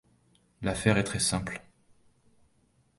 L’affaire est très simple.